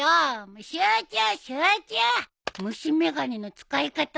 虫眼鏡の使い方は。